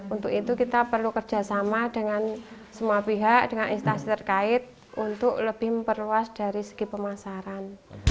untuk itu kita perlu kerjasama dengan semua pihak dengan instansi terkait untuk lebih memperluas dari segi pemasaran